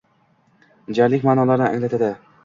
Jarlik maʼnolarini anglatadi